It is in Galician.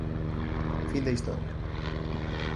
Fin da historia».